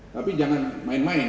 tapi jangan main main